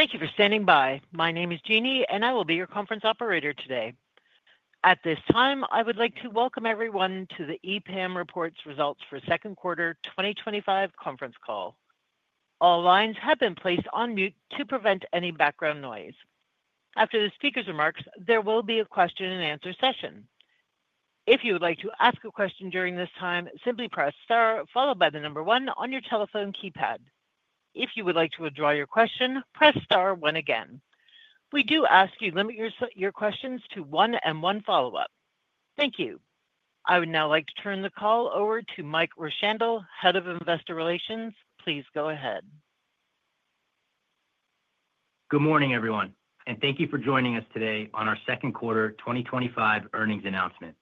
Thank you for standing by. My name is Jeannie, and I will be your conference operator today. At this time, I would like to welcome everyone to the EPAM Systems Reports Results for Second Quarter 2025 Conference Call. All lines have been placed on mute to prevent any background noise. After the speaker's remarks, there will be a question and answer session. If you would like to ask a question during this time, simply press star followed by the number one on your telephone keypad. If you would like to withdraw your question, press star one again. We do ask you to limit your questions to one and one follow-up. Thank you. I would now like to turn the call over to Mike Rowshandel, Head of Investor Relations. Please go ahead. Good morning, everyone, and thank you for joining us today on our Second Quarter 2025 earnings announcement.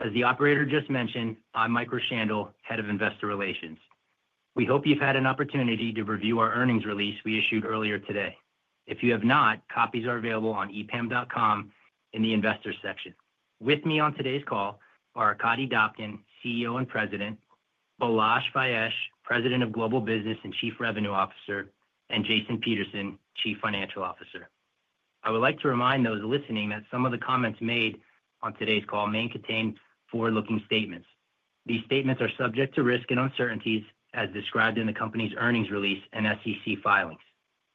As the operator just mentioned, I'm Mike Rowshandel, Head of Investor Relations. We hope you've had an opportunity to review our earnings release we issued earlier today. If you have not, copies are available on epam.com in the Investors section. With me on today's call are Arkadiy Dobkin, CEO and President, Balazs Fejes, President of Global Business and Chief Revenue Officer, and Jason Peterson, Chief Financial Officer. I would like to remind those listening that some of the comments made on today's call may contain forward-looking statements. These statements are subject to risk and uncertainties as described in the company's earnings release and SEC filings.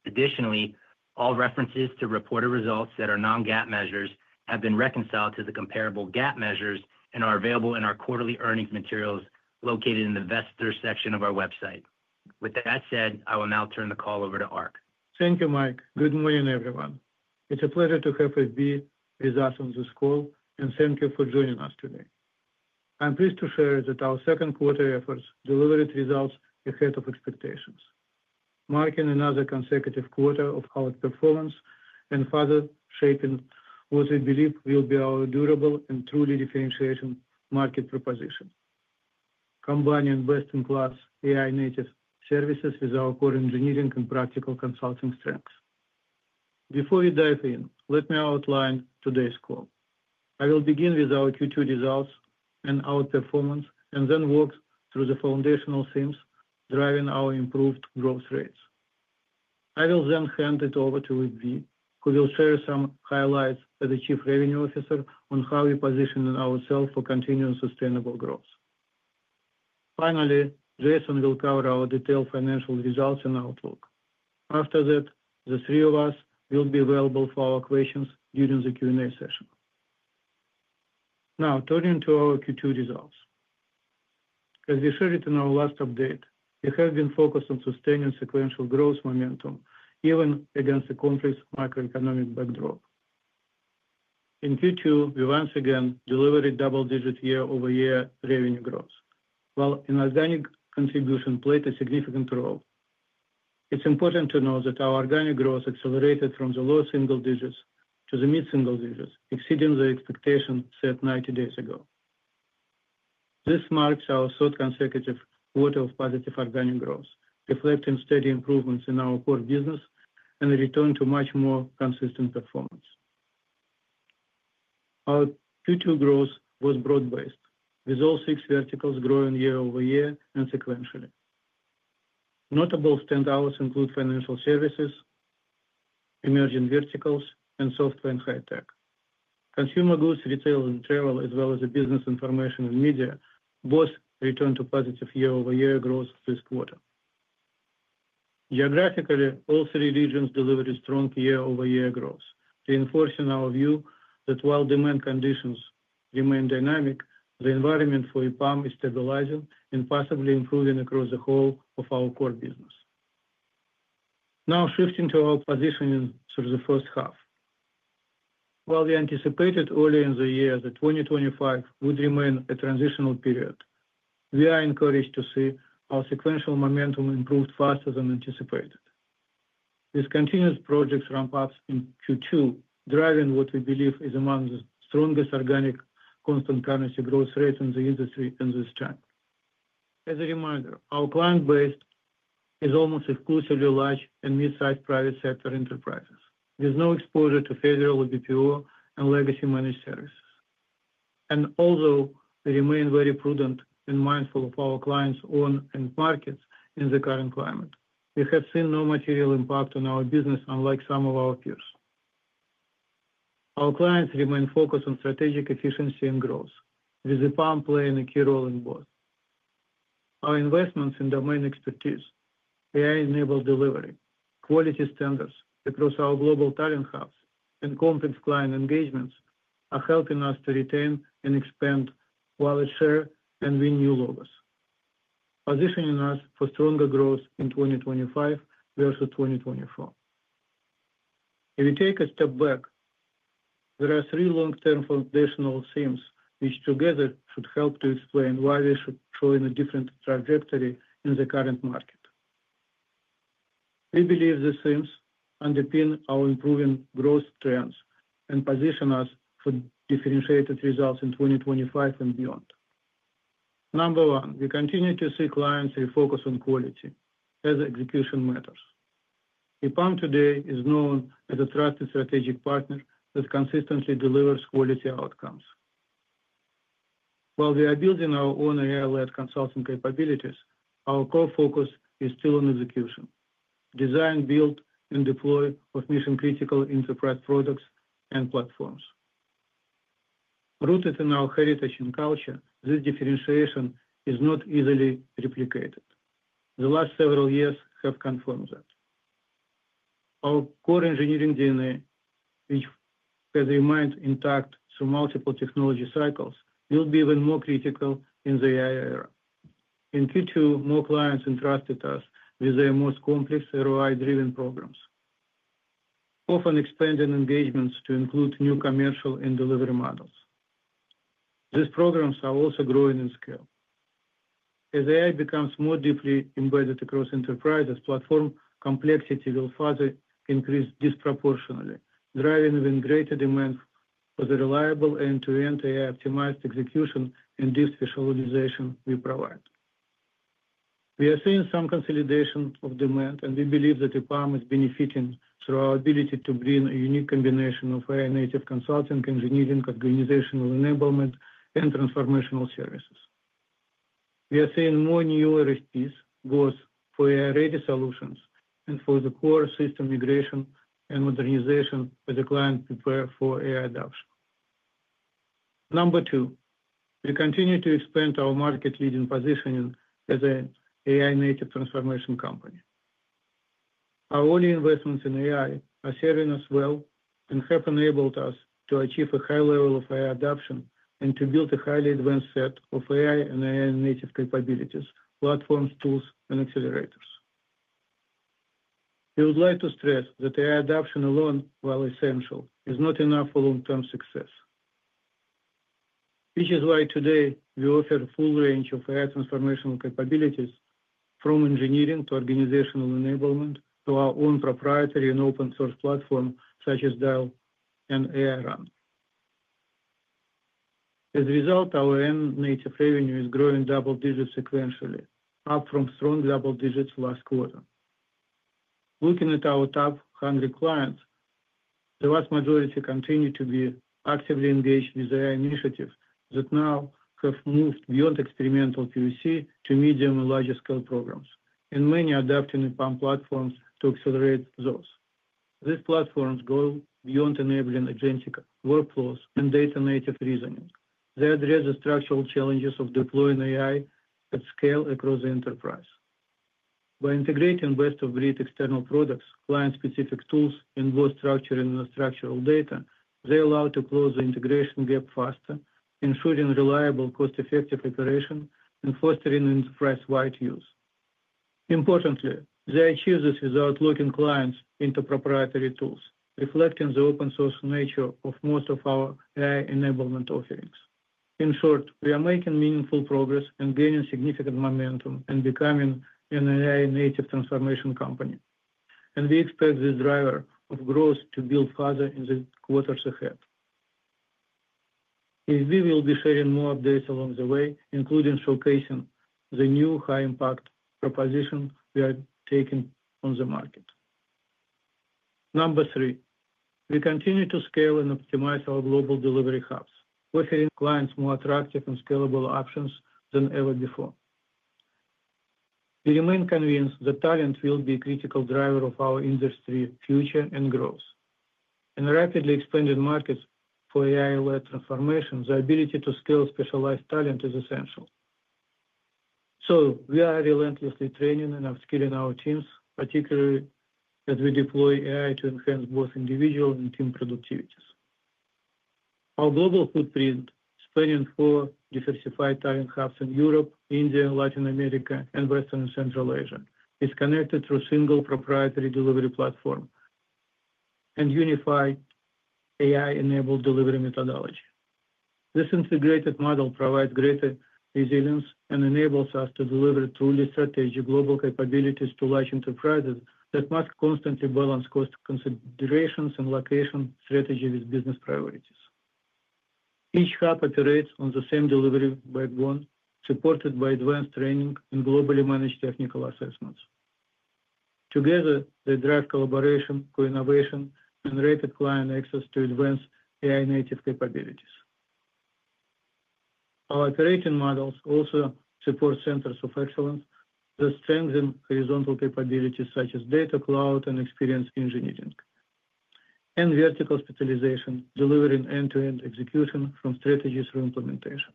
Additionally, all references to reported results that are non-GAAP measures have been reconciled to the comparable GAAP measures and are available in our quarterly earnings materials located in the Investors section of our website. With that said, I will now turn the call over to Ark. Thank you, Mike. Good morning, everyone. It's a pleasure to have you be with us on this call, and thank you for joining us today. I'm pleased to share that our second quarter efforts delivered results ahead of expectations, marking another consecutive quarter of outperformance and further shaping what we believe will be our durable and truly differentiating market proposition, combining best-in-class AI-native services with our core engineering and practical consulting strengths. Before we dive in, let me outline today's call. I will begin with our Q2 results and outperformance and then walk through the foundational themes driving our improved growth rates. I will then hand it over to Yvy, who will share some highlights as Chief Revenue Officer on how we position ourselves for continuing sustainable growth. Finally, Jason will cover our detailed financial results and outlook. After that, the three of us will be available for your questions during the Q&A session. Now, turning to our Q2 results. As we shared in our last update, we have been focused on sustaining sequential growth momentum even against a complex macroeconomic backdrop. In Q2, we once again delivered double-digit year-over-year revenue growth, while an organic contribution played a significant role. It's important to note that our organic growth accelerated from the low single digits to the mid-single digits, exceeding the expectation set 90 days ago. This marks our third consecutive quarter of positive organic growth, reflecting steady improvements in our core business and a return to much more consistent performance. Our Q2 growth was broad-based, with all six verticals growing year over year and sequentially. Notable standouts include financial services, emerging verticals, and software and high tech. Consumer goods, retail and travel, as well as business information and media both returned to positive year-over-year growth this quarter. Geographically, all three regions delivered strong year-over-year growth, reinforcing our view that while demand conditions remain dynamic, the environment for EPAM Systems is stabilizing and possibly improving across the whole of our core business. Now, shifting to our positioning through the first half. While we anticipated earlier in the year that 2025 would remain a transitional period, we are encouraged to see our sequential momentum improved faster than anticipated. This continues projects ramp up in Q2, driving what we believe is among the strongest organic constant currency growth rate in the industry at this time. As a reminder, our client base is almost exclusively large and mid-sized private sector enterprises, with no exposure to federal or BPO and legacy managed services. Although we remain very prudent and mindful of our clients' own and markets in the current climate, we have seen no material impact on our business, unlike some of our peers. Our clients remain focused on strategic efficiency and growth, with EPAM playing a key role in both. Our investments in domain expertise, AI-enabled delivery, quality standards across our global talent hubs, and complex client engagements are helping us to retain and expand knowledge share and win new logos, positioning us for stronger growth in 2025 versus 2024. If we take a step back, there are three long-term foundational themes which together should help to explain why we should show a different trajectory in the current market. We believe the themes underpin our improving growth trends and position us for differentiated results in 2025 and beyond. Number one, we continue to see clients refocus on quality as execution matters. EPAM today is known as an attractive strategic partner that consistently delivers quality outcomes. While we are building our own AI-led consulting capabilities, our core focus is still on execution, design, build, and deploy of mission-critical enterprise products and platforms. Rooted in our heritage and culture, this differentiation is not easily replicated. The last several years have confirmed that. Our core engineering DNA, which has remained intact through multiple technology cycles, will be even more critical in the AI era. In Q2, more clients entrusted us with their most complex ROI-driven programs, often expanding engagements to include new commercial and delivery models. These programs are also growing in scale. As AI becomes more deeply embedded across enterprise as platform, complexity will further increase disproportionately, driving even greater demand for the reliable end-to-end AI-optimized execution and deep specialization we provide. We are seeing some consolidation of demand, and we believe that EPAM is benefiting through our ability to bring a unique combination of AI-native consulting, engineering, organizational enablement, and transformational services. We are seeing more new RSVPs both for AI-ready solutions and for the core system migration and modernization as the client prepares for AI adoption. Number two, we continue to expand our market-leading positioning as an AI-native transformation company. Our early investments in AI are serving us well and have enabled us to achieve a high level of AI adoption and to build a highly advanced set of AI and AI-native capabilities, platforms, tools, and accelerators. We would like to stress that AI adoption alone, while essential, is not enough for long-term success. This is why today we offer a full range of AI transformational capabilities, from engineering to organizational enablement to our own proprietary and open-source platforms such as Dial and AI Run. As a result, our AI-native revenue is growing double-digit sequentially, up from strong double-digits last quarter. Looking at our top 100 clients, the vast majority continue to be actively engaged with AI initiatives that now have moved beyond experimental QC to medium and larger scale programs, and many adopting EPAM platforms to accelerate those. These platforms go beyond enabling agentic workflows and data-native reasoning. They address the structural challenges of deploying AI at scale across the enterprise. By integrating best-of-breed external products, client-specific tools, and both structuring and structural data, they allow us to close the integration gap faster, ensuring reliable, cost-effective operation, and fostering enterprise-wide use. Importantly, they achieve this without locking clients into proprietary tools, reflecting the open-source nature of most of our AI enablement offerings. In short, we are making meaningful progress and gaining significant momentum and becoming an AI-native transformation company, and we expect this driver of growth to build further in the quarters ahead. Yvy will be sharing more updates along the way, including showcasing the new high-impact proposition we are taking on the market. Number three, we continue to scale and optimize our global delivery hubs, offering clients more attractive and scalable options than ever before. We remain convinced that talent will be a critical driver of our industry's future and growth. In rapidly expanding markets for AI-led transformation, the ability to scale specialized talent is essential. We are relentlessly training and upskilling our teams, particularly as we deploy AI to enhance both individual and team productivities. Our global footprint, spanning four diversified talent hubs in Europe, India, Latin America, and Western and Central Asia, is connected through a single proprietary delivery platform and unified AI-enabled delivery methodology. This integrated model provides greater resilience and enables us to deliver truly strategic global capabilities to large enterprises that must constantly balance cost considerations and location strategy with business priorities. Each hub operates on the same delivery backbone, supported by advanced training and globally managed technical assessments. Together, they drive collaboration, co-innovation, and rapid client access to advanced AI-native capabilities. Our operating models also support centers of excellence that strengthen horizontal capabilities such as data cloud and experienced engineering, and vertical specialization delivering end-to-end execution from strategy through implementation.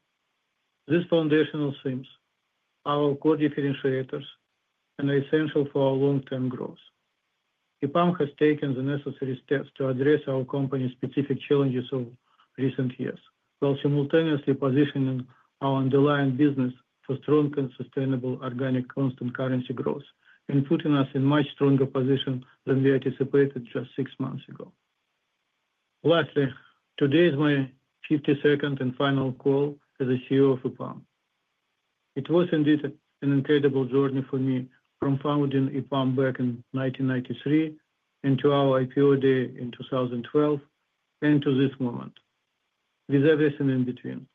These foundational themes, our core differentiators, are essential for our long-term growth. EPAM Systems has taken the necessary steps to address our company's specific challenges over recent years, while simultaneously positioning our underlying business for strong and sustainable organic constant currency growth and putting us in a much stronger position than we anticipated just six months ago. Lastly today is my 52nd and final call as CEO of EPAM Systems. It was indeed an incredible journey for me, from founding EPAM Systems back in 1993 and to our IPO day in 2012 and to this moment, with everything in between.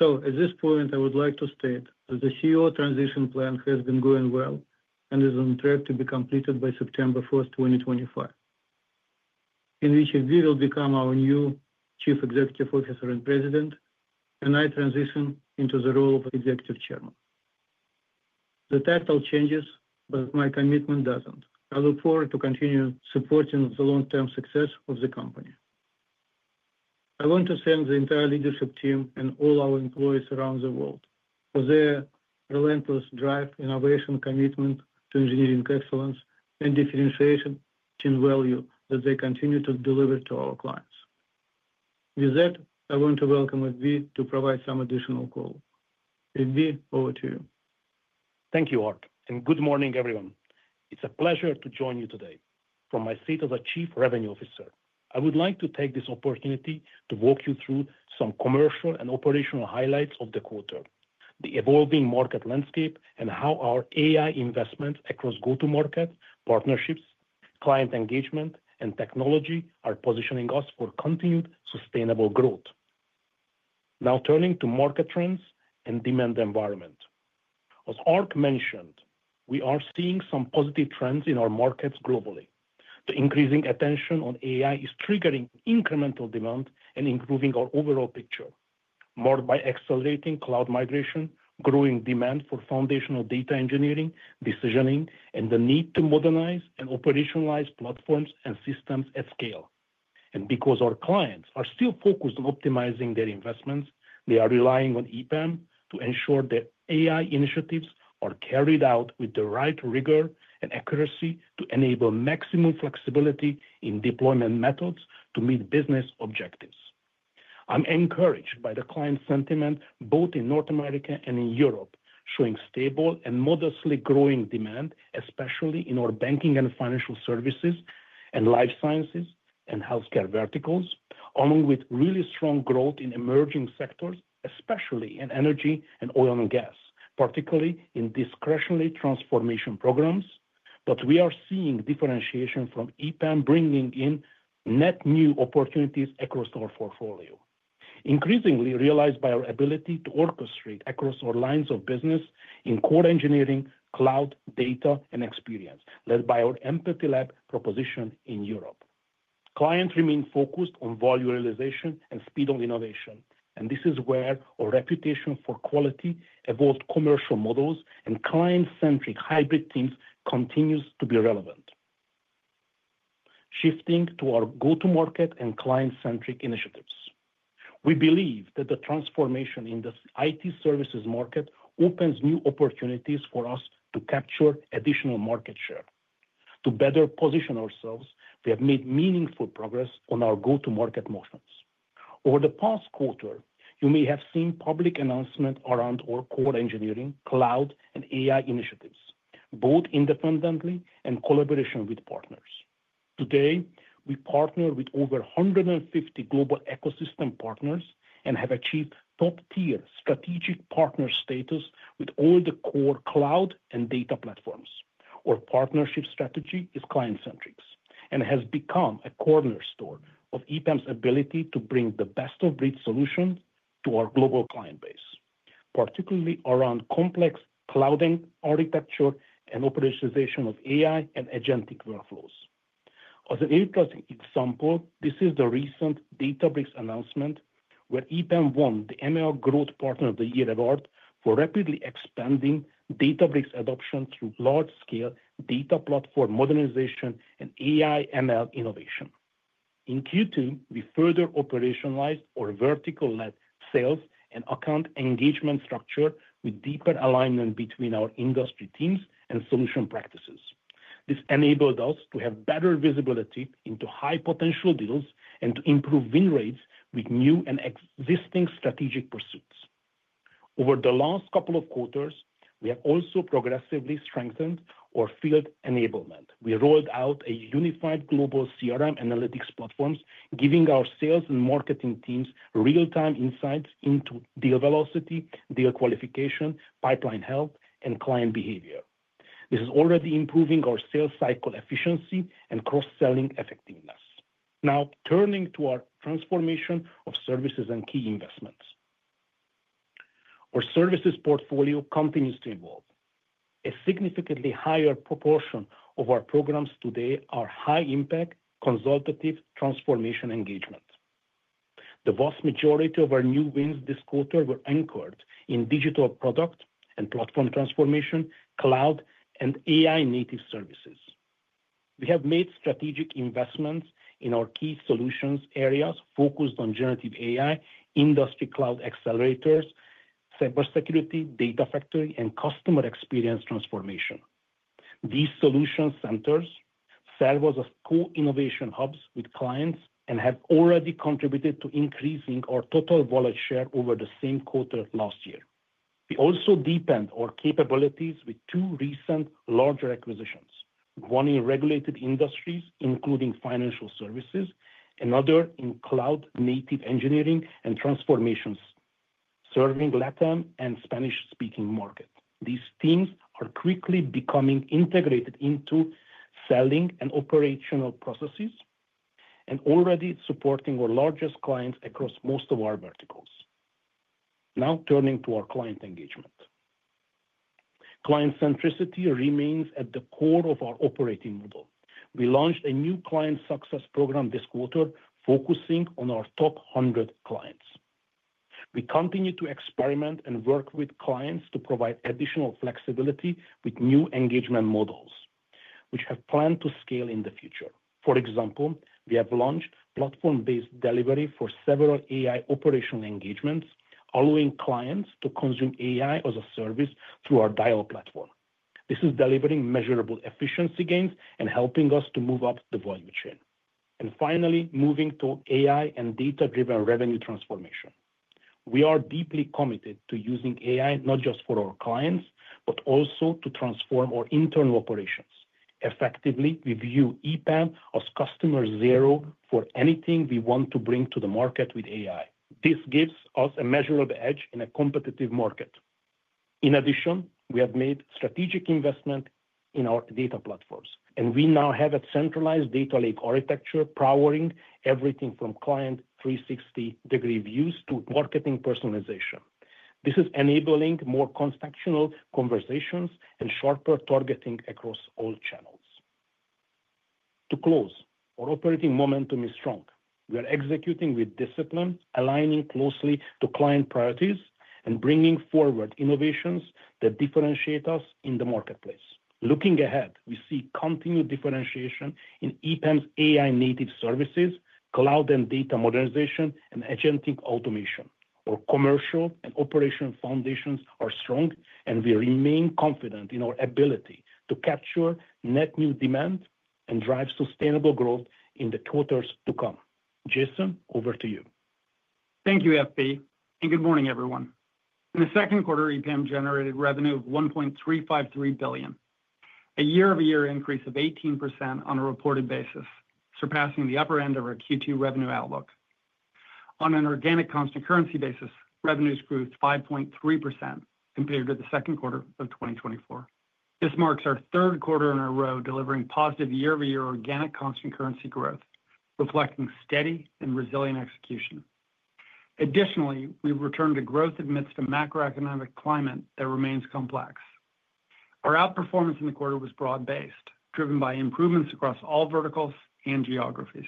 At this point, I would like to state that the CEO transition plan has been going well and is on track to be completed by September 1st, 2025, in which Balazs Fejes will become our new Chief Executive Officer and President, and I transition into the role of Executive Chairman. The title changes, but my commitment doesn't. I look forward to continuing supporting the long-term success of the company. I want to thank the entire leadership team and all our employees around the world for their relentless drive, innovation, commitment to engineering excellence, and differentiation in value that they continue to deliver to our clients. With that, I want to welcome Balazs to provide some additional calls. Balazs, over to you. Thank you, Ark, and good morning, everyone. It's a pleasure to join you today. From my seat as Chief Revenue Officer, I would like to take this opportunity to walk you through some commercial and operational highlights of the quarter, the evolving market landscape, and how our AI investments across go-to-market partnerships, client engagement, and technology are positioning us for continued sustainable growth. Now, turning to market trends and demand environment. As Ark mentioned, we are seeing some positive trends in our markets globally. The increasing attention on AI is triggering incremental demand and improving our overall picture, marked by accelerating cloud migration, growing demand for foundational data engineering, decisioning, and the need to modernize and operationalize platforms and systems at scale. Because our clients are still focused on optimizing their investments, they are relying on EPAM Systems to ensure that AI initiatives are carried out with the right rigor and accuracy to enable maximum flexibility in deployment methods to meet business objectives. I'm encouraged by the client sentiment both in North America and in Europe, showing stable and modestly growing demand, especially in our banking and financial services, and life sciences and healthcare verticals, along with really strong growth in emerging sectors, especially in energy and oil and gas, particularly in discretionary transformation programs. We are seeing differentiation from EPAM Systems bringing in net new opportunities across our portfolio, increasingly realized by our ability to orchestrate across our lines of business in core engineering, cloud, data, and experience, led by our Empathy Lab proposition in Europe. Clients remain focused on value realization and speed on innovation, and this is where our reputation for quality, evolved commercial models, and client-centric hybrid teams continues to be relevant. Shifting to our go-to-market and client-centric initiatives, we believe that the transformation in the IT consulting services market opens new opportunities for us to capture additional market share. To better position ourselves, we have made meaningful progress on our go-to-market motions. Over the past quarter, you may have seen public announcements around our core engineering, cloud, and AI initiatives, both independently and in collaboration with partners. Today, we partner with over 150 global ecosystem partners and have achieved top-tier strategic partner status with all the core cloud and data platforms. Our partnership strategy is client-centric and has become a cornerstone of EPAM Systems' ability to bring the best-of-breed solutions to our global client base, particularly around complex cloud architecture and operationalization of AI and agentic workflows. As an interesting example, this is the recent Databricks announcement where EPAM Systems won the ML Growth Partner of the Year Award for rapidly expanding Databricks adoption through large-scale data platform modernization and AI/ML innovation. In Q2, we further operationalized our vertical-led sales and account engagement structure with deeper alignment between our industry teams and solution practices. This enabled us to have better visibility into high-potential deals and to improve win rates with new and existing strategic pursuits. Over the last couple of quarters, we have also progressively strengthened our field enablement. We rolled out a unified global CRM analytics platform, giving our sales and marketing teams real-time insights into deal velocity, deal qualification, pipeline health, and client behavior. This is already improving our sales cycle efficiency and cross-selling effectiveness. Now, turning to our transformation of services and key investments. Our services portfolio continues to evolve. A significantly higher proportion of our programs today are high-impact consultative transformation engagement. The vast majority of our new wins this quarter were anchored in digital product and platform transformation, cloud, and AI-native services. We have made strategic investments in our key solutions areas focused on generative AI, industry cloud accelerators, cybersecurity, data factory, and customer experience transformation. These solution centers serve as co-innovation hubs with clients and have already contributed to increasing our total knowledge share over the same quarter last year. We also deepened our capabilities with two recent larger acquisitions, one in regulated industries, including financial services, and another in cloud-native engineering and transformations, serving Latin and Spanish-speaking markets. These teams are quickly becoming integrated into selling and operational processes and already supporting our largest clients across most of our verticals. Now, turning to our client engagement. Client centricity remains at the core of our operating model. We launched a new client success program this quarter, focusing on our top 100 clients. We continue to experiment and work with clients to provide additional flexibility with new engagement models, which have plans to scale in the future. For example, we have launched platform-based delivery for several AI operational engagements, allowing clients to consume AI as a service through our Dial platform. This is delivering measurable efficiency gains and helping us to move up the value chain. Finally, moving to AI and data-driven revenue transformation, we are deeply committed to using AI not just for our clients, but also to transform our internal operations. Effectively, we view EPAM Systems as customer zero for anything we want to bring to the market with AI. This gives us a measurable edge in a competitive market. In addition, we have made strategic investments in our data platforms, and we now have a centralized data lake architecture powering everything from client 360-degree views to marketing personalization. This is enabling more contextual conversations and sharper targeting across all channels. To close, our operating momentum is strong. We are executing with discipline, aligning closely to client priorities, and bringing forward innovations that differentiate us in the marketplace. Looking ahead, we see continued differentiation in EPAM Systems' AI-native services, cloud and data modernization, and agentic automation. Our commercial and operational foundations are strong, and we remain confident in our ability to capture net new demand and drive sustainable growth in the quarters to come. Jason, over to you. Thank you, FP, and good morning, everyone. In the second quarter, EPAM generated revenue of $1.353 billion, a year-over-year increase of 18% on a reported basis, surpassing the upper end of our Q2 revenue outlook. On an organic constant currency basis, revenues grew 5.3% compared to the second quarter of 2024. This marks our third quarter in a row delivering positive year-over-year organic constant currency growth, reflecting steady and resilient execution. Additionally, we've returned to growth amidst a macroeconomic climate that remains complex. Our outperformance in the quarter was broad-based, driven by improvements across all verticals and geographies.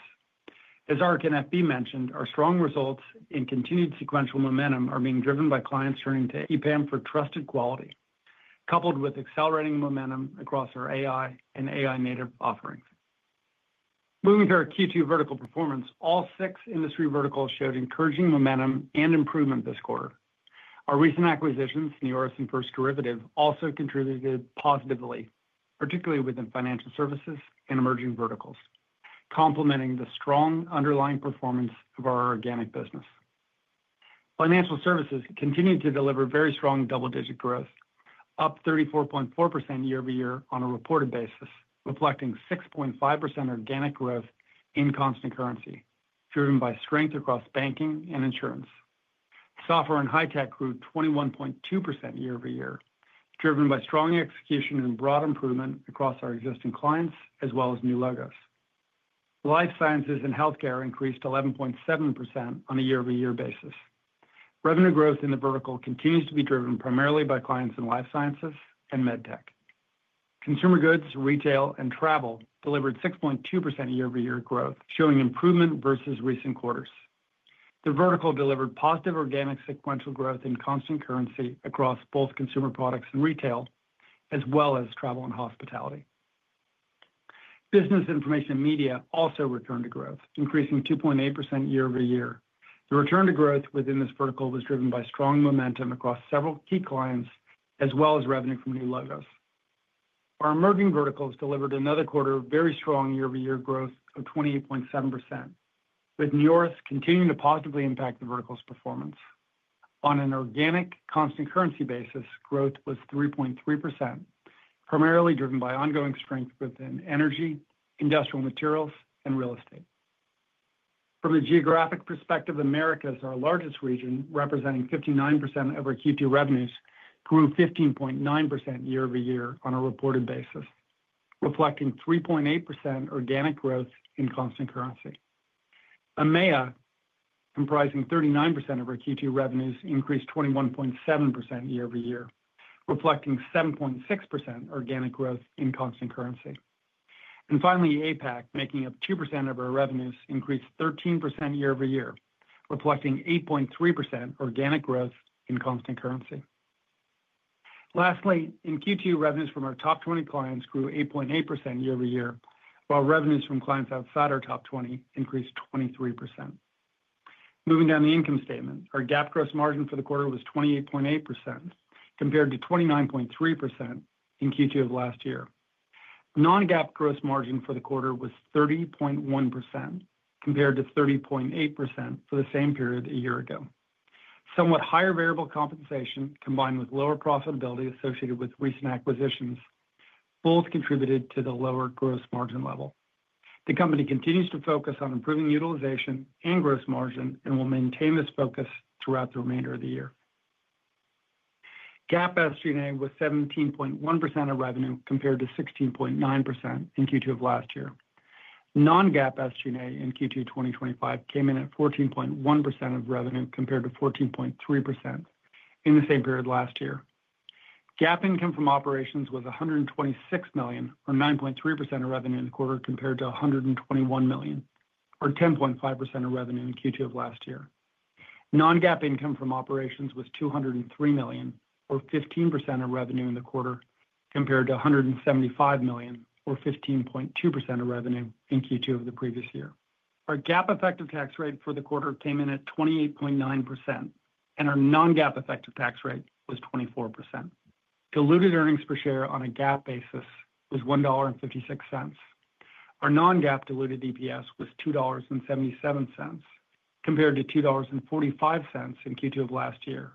As Ark and FP mentioned, our strong results in continued sequential momentum are being driven by clients turning to EPAM for trusted quality, coupled with accelerating momentum across our AI and AI-native offerings. Moving to our Q2 vertical performance, all six industry verticals showed encouraging momentum and improvement this quarter. Our recent acquisitions in Orison and First Derivative also contributed positively, particularly within financial services and emerging verticals, complementing the strong underlying performance of our organic business. Financial services continued to deliver very strong double-digit growth, up 34.4% year-over-year on a reported basis, reflecting 6.5% organic growth in constant currency, driven by strength across banking and insurance. Software and high tech grew 21.2% year-over-year, driven by strong execution and broad improvement across our existing clients as well as new logos. Life sciences and healthcare increased 11.7% on a year-over-year basis. Revenue growth in the vertical continues to be driven primarily by clients in life sciences and med tech. Consumer goods, retail, and travel delivered 6.2% year-over-year growth, showing improvement versus recent quarters. The vertical delivered positive organic sequential growth in constant currency across both consumer products and retail, as well as travel and hospitality. Business information and media also returned to growth, increasing 2.8% year-over-year. The return to growth within this vertical was driven by strong momentum across several key clients, as well as revenue from new logos. Our emerging verticals delivered another quarter of very strong year-over-year growth of 28.7%, with news continuing to positively impact the vertical's performance. On an organic constant currency basis, growth was 3.3%, primarily driven by ongoing strength within energy, industrial materials, and real estate. From the geographic perspective, America, our largest region representing 59% of our Q2 revenues, grew 15.9% year-over-year on a reported basis, reflecting 3.8% organic growth in constant currency. AMEA, comprising 39% of our Q2 revenues, increased 21.7% year-over-year, reflecting 7.6% organic growth in constant currency. Finally, APAC, making up 2% of our revenues, increased 13% year-over-year, reflecting 8.3% organic growth in constant currency. Lastly, in Q2, revenues from our top 20 clients grew 8.8% year-over-year, while revenues from clients outside our top 20 increased 23%. Moving down the income statement, our GAAP gross margin for the quarter was 28.8% compared to 29.3% in Q2 of last year. Non-GAAP gross margin for the quarter was 30.1% compared to 30.8% for the same period a year ago. Somewhat higher variable compensation combined with lower profitability associated with recent acquisitions both contributed to the lower gross margin level. The company continues to focus on improving utilization and gross margin and will maintain this focus throughout the remainder of the year. GAAP SG&A was 17.1% of revenue compared to 16.9% in Q2 of last year. Non-GAAP SG&A in Q2 2025 came in at 14.1% of revenue compared to 14.3% in the same period last year. GAAP income from operations was $126 million, or 9.3% of revenue in the quarter compared to $121 million, or 10.5% of revenue in Q2 of last year. Non-GAAP income from operations was $203 million, or 15% of revenue in the quarter compared to $175 million, or 15.2% of revenue in Q2 of the previous year. Our GAAP effective tax rate for the quarter came in at 28.9%, and our non-GAAP effective tax rate was 24%. Diluted earnings per share on a GAAP basis was $1.56. Our non-GAAP diluted EPS was $2.77 compared to $2.45 in Q2 of last year,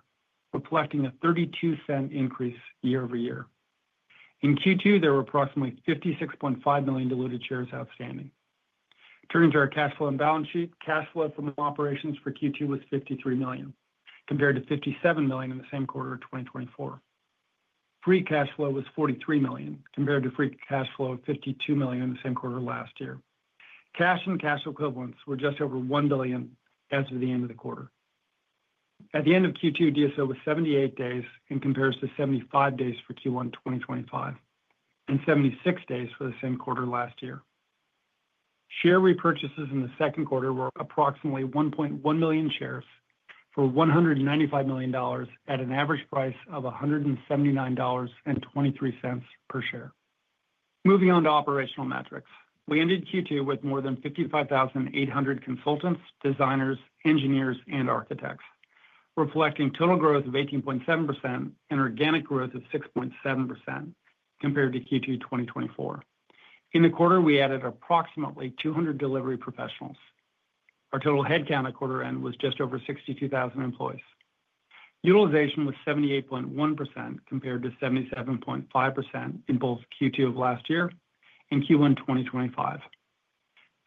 reflecting a $0.32 increase year-over-year. In Q2, there were approximately 56.5 million diluted shares outstanding. Turning to our cash flow and balance sheet, cash flow from operations for Q2 was $53 million compared to $57 million in the same quarter of 2024. Free cash flow was $43 million compared to free cash flow of $52 million in the same quarter of last year. Cash and cash equivalents were just over $1 billion as of the end of the quarter. At the end of Q2, DSO was 78 days in comparison to 75 days for Q1 2025 and 76 days for the same quarter last year. Share repurchases in the second quarter were approximately 1.1 million shares for $195 million at an average price of $179.23 per share. Moving on to operational metrics, we ended Q2 with more than 55,800 consultants, designers, engineers, and architects, reflecting total growth of 18.7% and organic growth of 6.7% compared to Q2 2024. In the quarter, we added approximately 200 delivery professionals. Our total headcount at quarter end was just over 62,000 employees. Utilization was 78.1% compared to 77.5% in both Q2 of last year and Q1 2025,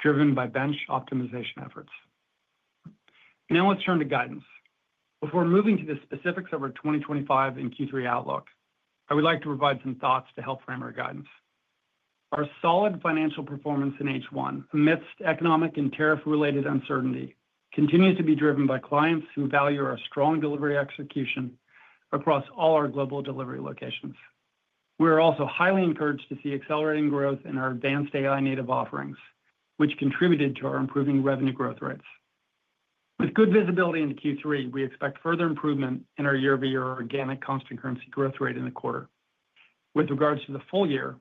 driven by bench optimization efforts. Now let's turn to guidance. Before moving to the specifics of our 2025 and Q3 outlook, I would like to provide some thoughts to help frame our guidance. Our solid financial performance in H1, amidst economic and tariff-related uncertainty, continues to be driven by clients who value our strong delivery execution across all our global delivery locations. We are also highly encouraged to see accelerating growth in our advanced AI-native offerings, which contributed to our improving revenue growth rates. With good visibility into Q3, we expect further improvement in our year-over-year organic constant currency growth rate in the quarter. With regards to the full year,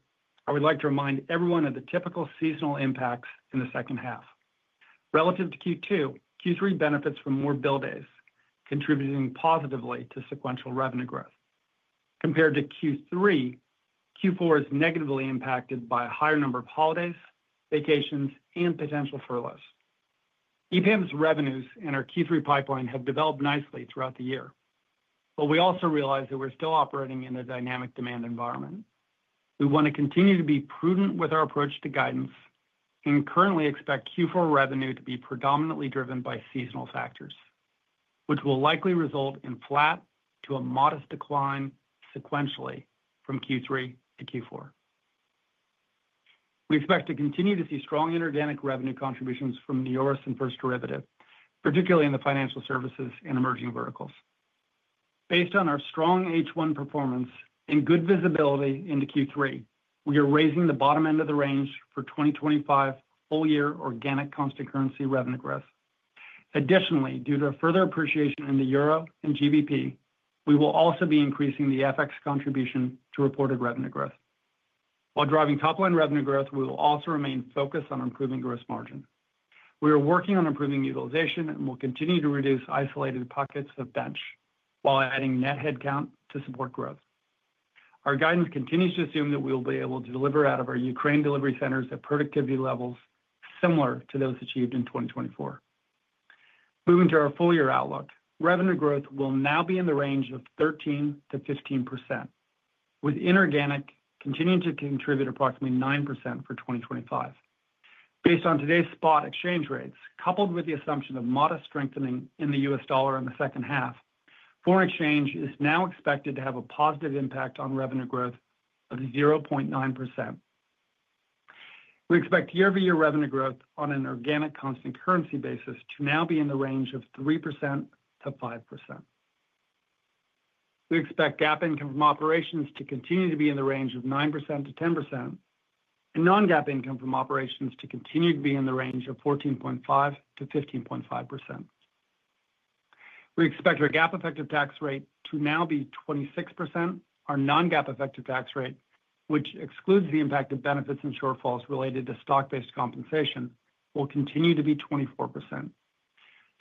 I would like to remind everyone of the typical seasonal impacts in the second half. Relative to Q2, Q3 benefits from more build days, contributing positively to sequential revenue growth. Compared to Q3, Q4 is negatively impacted by a higher number of holidays, vacations, and potential furloughs. EPAM Systems' revenues in our Q3 pipeline have developed nicely throughout the year, but we also realize that we're still operating in a dynamic demand environment. We want to continue to be prudent with our approach to guidance and currently expect Q4 revenue to be predominantly driven by seasonal factors, which will likely result in flat to a modest decline sequentially from Q3 to Q4. We expect to continue to see strong inorganic revenue contributions from Orison and First Derivative, particularly in the financial services and emerging verticals. Based on our strong H1 performance and good visibility into Q3, we are raising the bottom end of the range for 2025 whole-year organic constant currency revenue growth. Additionally, due to a further appreciation in the Euro and GBP, we will also be increasing the FX contribution to reported revenue growth. While driving top-line revenue growth, we will also remain focused on improving gross margin. We are working on improving utilization and will continue to reduce isolated pockets of bench while adding net headcount to support growth. Our guidance continues to assume that we will be able to deliver out of our Ukraine delivery centers at productivity levels similar to those achieved in 2024. Moving to our full-year outlook, revenue growth will now be in the range of 13%-15%, with inorganic continuing to contribute approximately 9% for 2025. Based on today's spot exchange rates, coupled with the assumption of modest strengthening in the U.S. dollar in the second half, foreign exchange is now expected to have a positive impact on revenue growth of 0.9%. We expect year-over-year revenue growth on an organic constant currency basis to now be in the range of 3%-5%. We expect GAAP income from operations to continue to be in the range of 9%-10%, and non-GAAP income from operations to continue to be in the range of 14.5%-15.5%. We expect our GAAP effective tax rate to now be 26%. Our non-GAAP effective tax rate, which excludes the impact of benefits and shortfalls related to stock-based compensation, will continue to be 24%.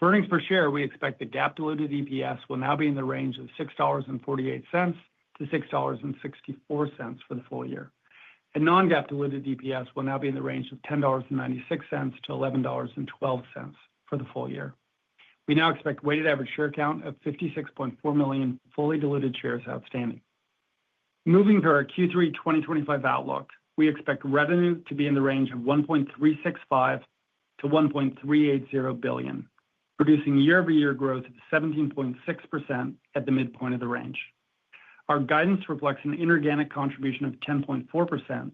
For earnings per share, we expect the GAAP diluted EPS will now be in the range of $6.48-$6.64 for the full year, and non-GAAP diluted EPS will now be in the range of $10.96-$11.12 for the full year. We now expect a weighted average share count of 56.4 million fully diluted shares outstanding. Moving to our Q3 2025 outlook, we expect revenue to be in the range of $1.365billion-$1.380 billion, producing year-over-year growth of 17.6% at the midpoint of the range. Our guidance reflects an inorganic contribution of 10.4%,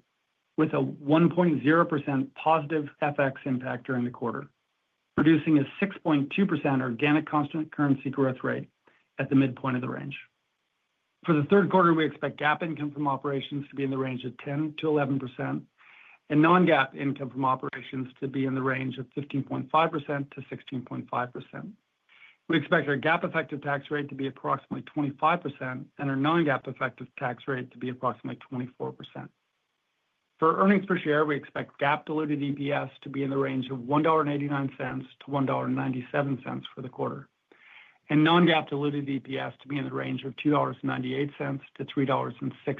with a 1.0% positive FX impact during the quarter, producing a 6.2% organic constant currency growth rate at the midpoint of the range. For the third quarter, we expect GAAP income from operations to be in the range of 10%-11%, and non-GAAP income from operations to be in the range of 15.5%-16.5%. We expect our GAAP effective tax rate to be approximately 25% and our non-GAAP effective tax rate to be approximately 24%. For earnings per share, we expect GAAP diluted EPS to be in the range of $1.89-$1.97 for the quarter, and non-GAAP diluted EPS to be in the range of $2.98-$3.06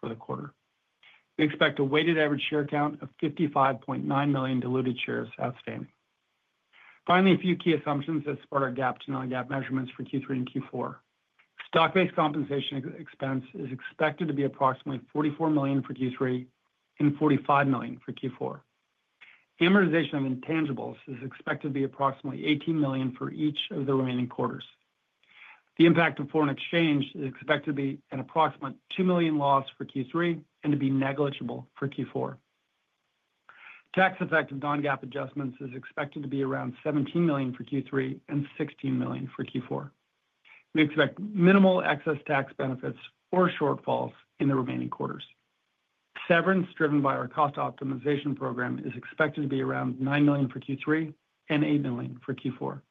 for the quarter. We expect a weighted average share count of 55.9 million diluted shares outstanding. Finally, a few key assumptions as part of our GAAP to non-GAAP measurements for Q3 and Q4. Stock-based compensation expense is expected to be approximately $44 million for Q3 and $45 million for Q4. Amortization of intangibles is expected to be approximately $18 million for each of the remaining quarters. The impact of foreign exchange is expected to be an approximate $2 million loss for Q3 and to be negligible for Q4. Tax-effective non-GAAP adjustments are expected to be around $17 million for Q3 and $16 million for Q4. We expect minimal excess tax benefits or shortfalls in the remaining quarters. Severance driven by our cost optimization program is expected to be around $9 million for Q3 and $8 million for Q4.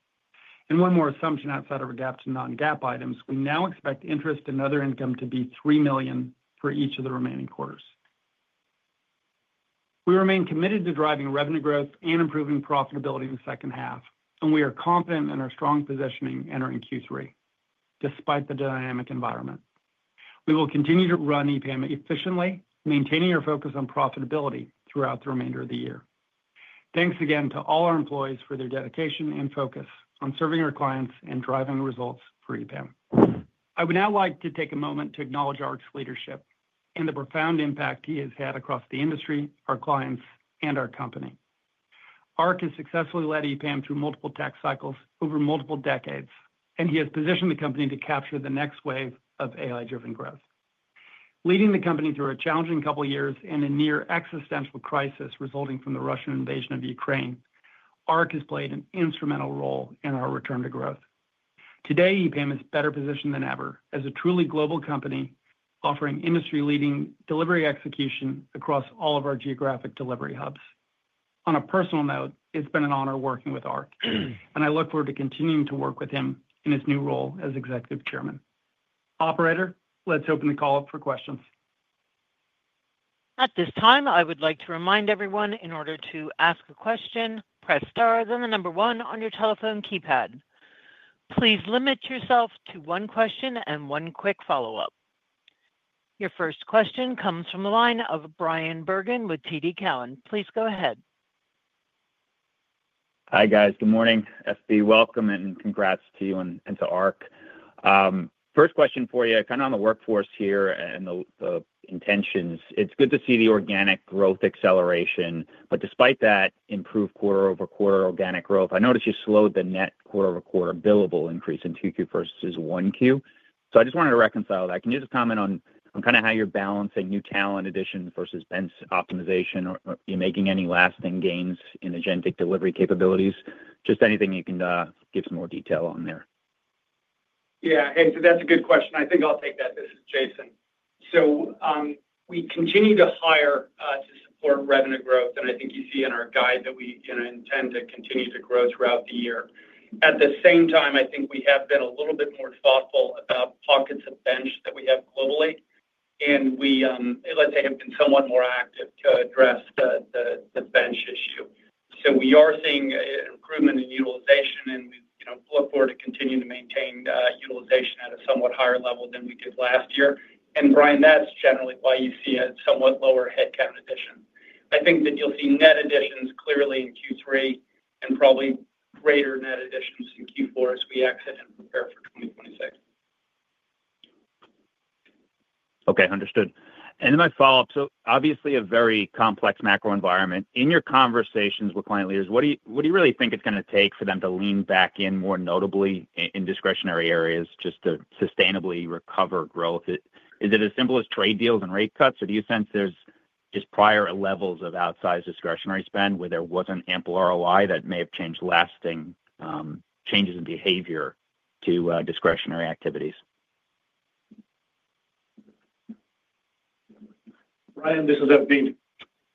One more assumption outside of our GAAP to non-GAAP items, we now expect interest and other income to be $3 million for each of the remaining quarters. We remain committed to driving revenue growth and improving profitability in the second half, and we are confident in our strong positioning entering Q3 despite the dynamic environment. We will continue to run EPAM efficiently, maintaining our focus on profitability throughout the remainder of the year. Thanks again to all our employees for their dedication and focus on serving our clients and driving results for EPAM. I would now like to take a moment to acknowledge Ark's leadership and the profound impact he has had across the industry, our clients, and our company. Ark has successfully led EPAM through multiple tax cycles over multiple decades, and he has positioned the company to capture the next wave of AI-driven growth. Leading the company through a challenging couple of years and a near existential crisis resulting from the Russian invasion of Ukraine, Ark has played an instrumental role in our return to growth. Today, EPAM is better positioned than ever as a truly global company offering industry-leading delivery execution across all of our geographic delivery hubs. On a personal note, it's been an honor working with Ark, and I look forward to continuing to work with him in his new role as Executive Chairman. Operator, let's open the call up for questions. At this time, I would like to remind everyone, in order to ask a question, press star then the number one on your telephone keypad. Please limit yourself to one question and one quick follow-up. Your first question comes from the line of Bryan Bergin with TD Cowen. Please go ahead. Hi guys, good morning. FB, welcome and congrats to you and to Ark. First question for you, kind of on the workforce here and the intentions. It's good to see the organic growth acceleration, but despite that improved quarter over quarter organic growth, I noticed you slowed the net quarter over quarter billable increase in Q2 versus Q1. I just wanted to reconcile that. Can you just comment on kind of how you're balancing new talent addition versus bench optimization? Are you making any lasting gains in agentic delivery capabilities? Just anything you can give some more detail on there. Yeah, that's a good question. I think I'll take that, it is Jason. We continue to hire to support revenue growth that I think you see in our guide that we intend to continue to grow throughout the year. At the same time, I think we have been a little bit more thoughtful about pockets of bench that we have globally, and we have been somewhat more active to address the bench issue. We are seeing improvement in utilization, and we look forward to continuing to maintain utilization at a somewhat higher level than we did last year. Bryan, that's generally why you see a somewhat lower headcount addition. I think that you'll see net additions clearly in Q3 and probably greater net additions in Q4 as we exit. Okay, understood. My follow-up: obviously a very complex macro environment. In your conversations with client leaders, what do you really think it's going to take for them to lean back in more notably in discretionary areas just to sustainably recover growth? Is it as simple as trade deals and rate cuts, or do you sense there's just prior levels of outsized discretionary spend where there wasn't ample ROI that may have changed lasting changes in behavior to discretionary activities? Bryan, this is FB.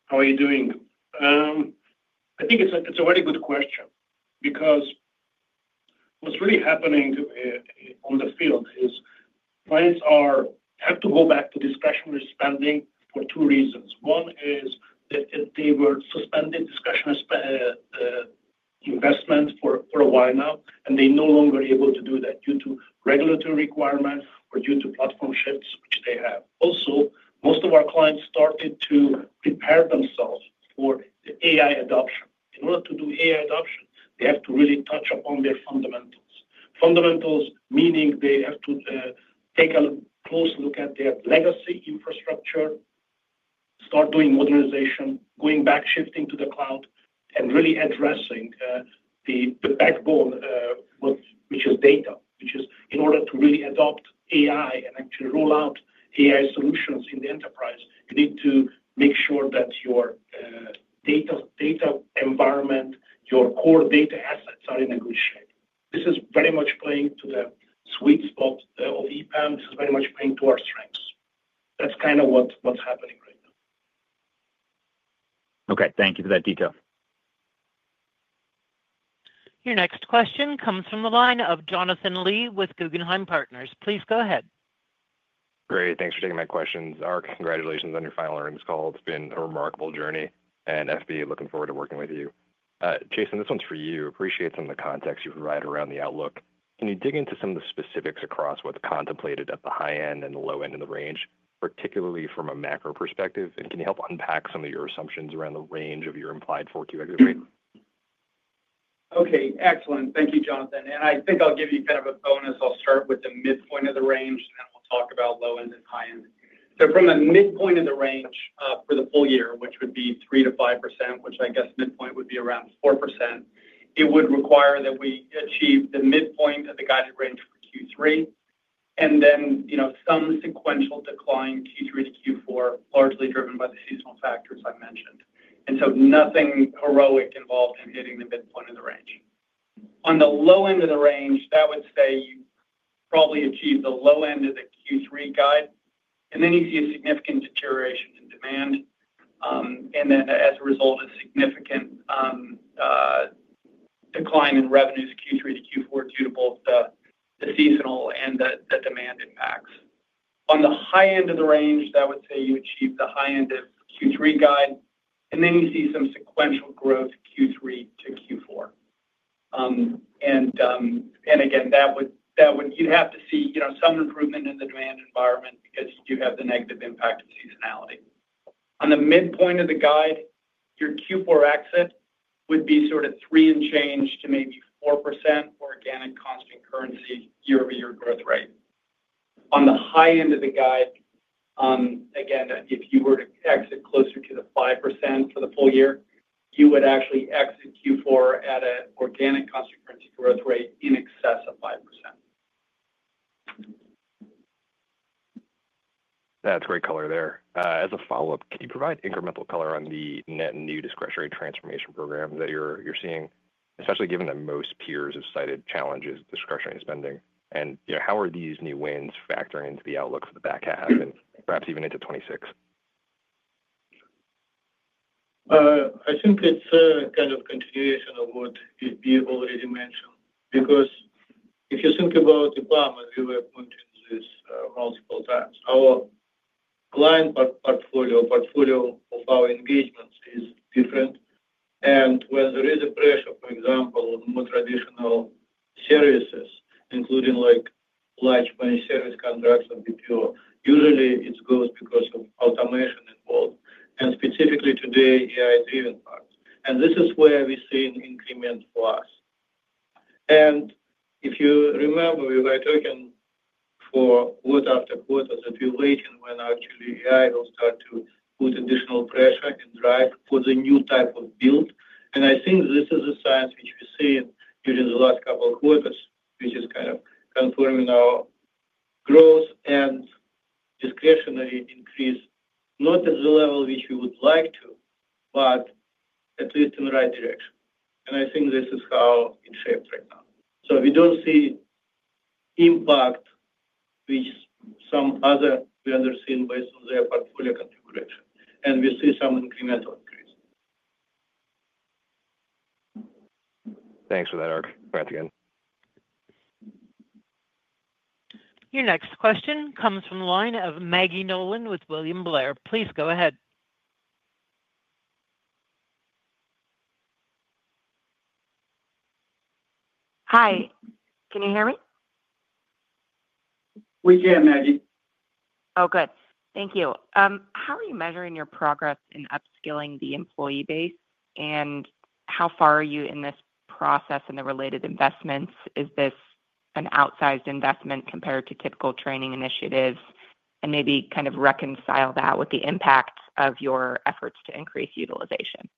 How are you doing? I think it's a very good question because what's really happening in the field is clients have to go back to discretionary spending for two reasons. One is that they were suspending discretionary investments for a while now, and they're no longer able to do that due to regulatory requirements or due to platform shifts which they have. Also, most of our clients started to hire themselves for the AI adoption. In order to do AI adoption, they have to really touch upon their fundamentals, meaning they have to take a close look at their legacy infrastructure, start doing modernization, going back, shifting to the cloud, and really addressing the next goal, which is data. In order to really adopt AI and actually roll out AI solutions in the enterprise, you need to make sure that your data environment, your core data assets are in good shape. This is very much playing to the sweet spot of EPAM Systems. This is very much playing to our strengths. That's kind of what's happening right now. Okay, thank you for that detail. Your next question comes from the line of Jonathan Lee with Guggenheim. Please go ahead. Great, thanks for taking my questions. Ark, congratulations on your final earnings call. It's been a remarkable journey, and FP, looking forward to working with you. Jason, this one's for you. Appreciate some of the context you provide around the outlook. Can you dig into some of the specifics across what's contemplated at the high end and the low end of the range, particularly from a macro perspective? Can you help unpack some of your assumptions around the range of your implied for Q3? Okay, excellent. Thank you, Jonathan. I think I'll give you kind of a bonus. I'll start with the midpoint of the range, and then we'll talk about low end and high end. From the midpoint of the range for the full year, which would be 3%-5%, which I guess midpoint would be around 4%, it would require that we achieve the midpoint at the guided range for Q3, and then some sequential decline Q3 to Q4, largely driven by the seasonal factors I mentioned. Nothing heroic involved in hitting the midpoint of the range. On the low end of the range, that would say you probably achieve the low end of the Q3 guide, and then you see a significant deterioration in demand. As a result, a significant decline in revenues Q3 to Q4 due to both the seasonal and the demand impacts. On the high end of the range, that would say you achieve the high end of Q3 guide, and then you see some sequential growth Q3-Q4. You'd have to see some improvement in the demand environment because you'd have the negative impact of seasonality. On the midpoint of the guide, your Q4 exit would be sort of three and change to maybe 4% organic constant currency year-over-year growth rate. On the high end of the guide, again, if you were to exit closer to the 5% for the full year, you would actually exit Q4 at an organic constant currency growth rate in excess of 5%. That's great color there. As a follow-up, can you provide incremental color on the net new discretionary transformation program that you're seeing, especially given that most peers have cited challenges with discretionary spending? How are these new wins factoring into the outlook for the back half and perhaps even into 2026? I think it's a kind of continuation of what FB already mentioned because if you think about EPAM, and we were put into this multiple times, our client portfolio, portfolio of our engagements is different. When there is a pressure, for example, on more traditional services, including like large client service contracts and BPO, usually it goes because of automation involved, and specifically today, AI-driven parts. This is where we see an increment for us. If you remember, we were talking for quarter after quarter that we're waiting when actually AI will start to put additional pressure and drive for the new type of build. I think this is a sign which we've seen during the last couple of quarters, which is kind of confirming our growth and discretionary increase, not at the level which we would like to, but at least in the right direction. I think this is how it shapes right now. We don't see impact which some other vendors see based on their portfolio configuration, and we see some incremental increase. Thanks for that, Ark. Back again. Your next question comes from the line of Maggie Nolan with William Blair. Please go ahead. Hi, can you hear me? We can, Maggie. Thank you. How are you measuring your progress in upskilling the employee base, and how far are you in this process and the related investments? Is this an outsized investment compared to typical training initiatives? Maybe kind of reconcile that with the impact of your efforts to increase utilization.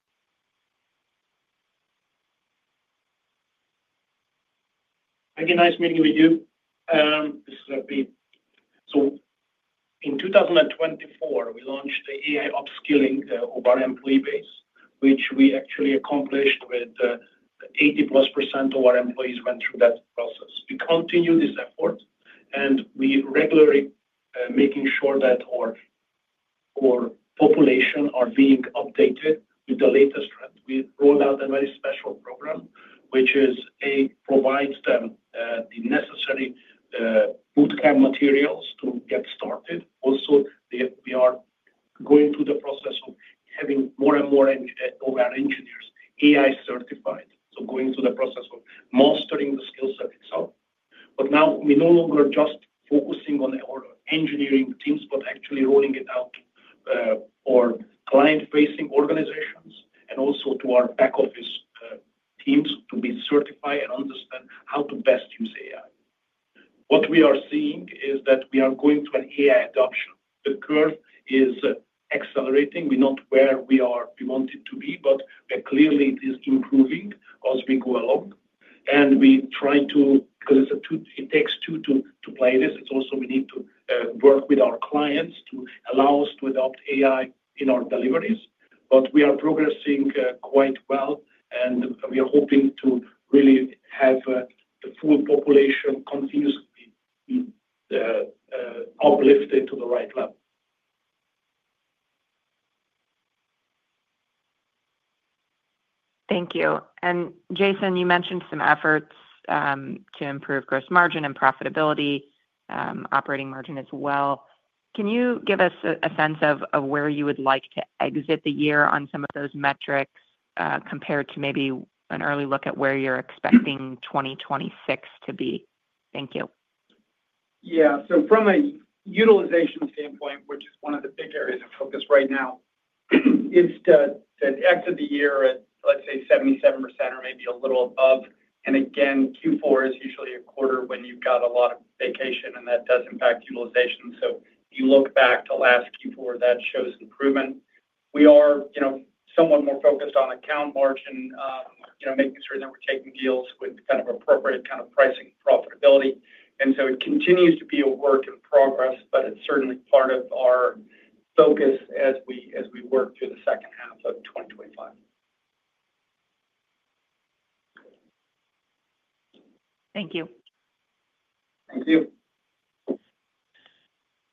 Again, nice meeting with you. This is FB. In 2024, we launched the AI upskilling of our employee base, which we actually accomplished with 80+% of our employees who went through that process. We continue this effort, and we regularly make sure that our population is being updated with the latest trends. We roll out a very special program, which provides them the necessary bootcamp materials to get started. Also, we are going through the process of having more and more of our engineers AI certified, going through the process of mastering the skill set itself. Now we're no longer just focusing on our engineering teams, but actually rolling it out to our client-facing organizations and also to our back office teams to be certified and understand how to best use AI. What we are seeing is that we are going through an AI adoption. The curve is accelerating. We're not where we want it to be, but clearly it is improving as we go along. We try to, because it takes two to play this, we also need to work with our clients to allow us to adopt AI in our deliveries. We are progressing quite well, and we are hoping to really have the full population continuously uplifted to the right level. Thank you. Jason, you mentioned some efforts to improve gross margin and profitability, operating margin as well. Can you give us a sense of where you would like to exit the year on some of those metrics compared to maybe an early look at where you're expecting 2026 to be? Thank you. Yeah, so from a utilization standpoint, which is one of the big areas of focus right now, it's that after the year at, let's say, 77% or maybe a little above. Q4 is usually a quarter when you've got a lot of vacation, and that does impact utilization. If you look back to last Q4, that shows improvement. We are somewhat more focused on account margin, making sure that we're taking deals with kind of appropriate kind of pricing profitability. It continues to be a work in progress, but it's certainly part of our focus as we work through the second half of 2025. Thank you.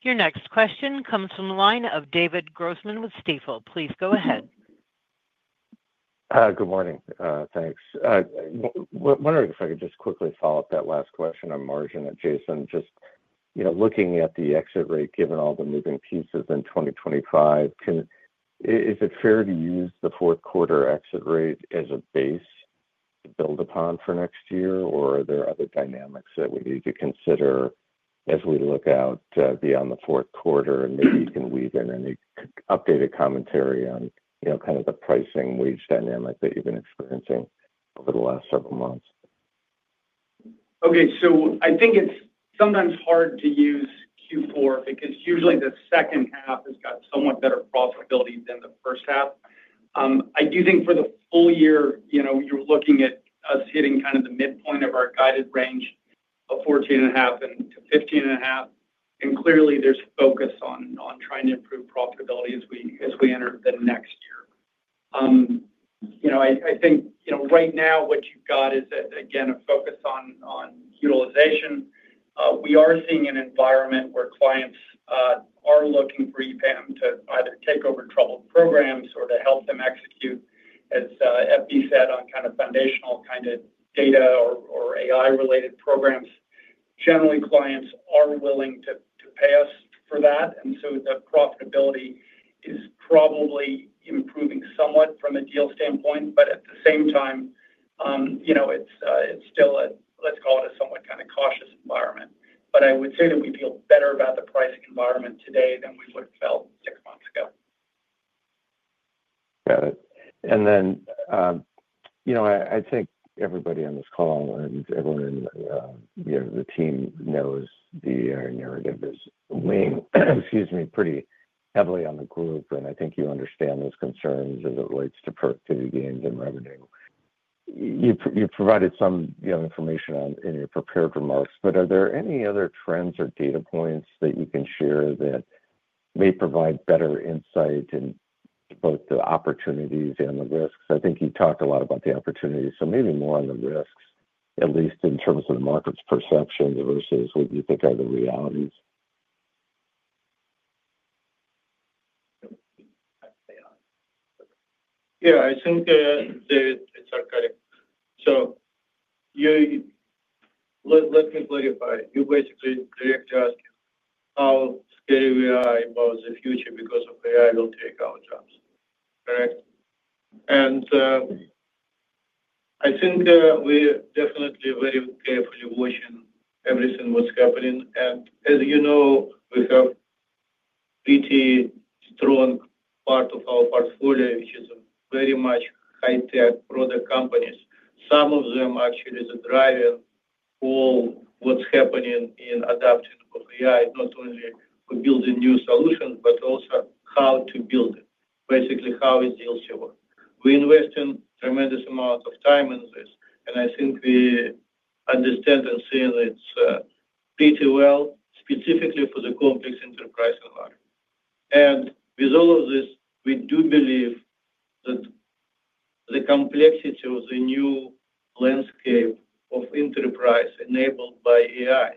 Your next question comes from the line of David Grossman with Stifel. Please go ahead. Good morning. Thanks. I'm wondering if I could just quickly follow up that last question on margin at Jason. Just, you know, looking at the exit rate, given all the moving pieces in 2025, is it fair to use the fourth quarter exit rate as a base to build upon for next year, or are there other dynamics that we need to consider as we look out beyond the fourth quarter? Maybe you can weave in any updated commentary on, you know, kind of the pricing wage dynamic that you've been experiencing over the last several months. Okay, I think it's sometimes hard to use Q4. Usually, the second half has got somewhat better profitability than the first half. I do think for the full year, you're looking at us hitting kind of the midpoint of our guided range of 14.5%-15.5%. Clearly, there's focus on trying to improve profitability as we enter the next year. Right now what you've got is, again, a focus on utilization. We are seeing an environment where clients are looking for EPAM Systems to either take over troubled programs or to help them execute, as FP said, on kind of foundational kind of data or AI-related programs. Generally, clients are willing to pay us for that. The profitability is probably improving somewhat from a deal standpoint, but at the same time, it's still a, let's call it a somewhat kind of cautious environment. I would say that. Got it. I think everybody on this call and everyone in the team knows the narrative is weighing pretty heavily on the group. I think you understand those concerns as it relates to productivity gains and revenue. You provided some information in your prepared remarks, but are there any other trends or data points that you can share that may provide better insight in both the opportunities and the risks? I think you talked a lot about the opportunities, so maybe more on the risks, at least in terms of the market's perception versus what you think are the realities. Yeah, I think it's archaic. Let's simplify it. You basically just ask how scary is the future because of AI will take our jobs, correct? I think we're definitely very carefully watching everything that's happening. As you know, we have a pretty strong part of our portfolio, which is very much high-tech product companies. Some of them actually are driving all what's happening in adapting for AI, not only for building new solutions, but also how to build it. Basically, how it deals with. We invest a tremendous amount of time in this, and I think we understand and see it pretty well, specifically for the complex enterprise environment. With all of this, we do believe that the complexity of the new landscape of enterprise enabled by AI